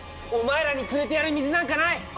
お前らにくれてやる水なんかない！